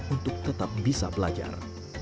untuk tetap bisa belajar